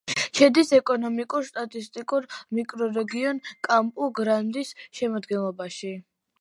შედის ეკონომიკურ-სტატისტიკურ მიკრორეგიონ კამპუ-გრანდის შემადგენლობაში.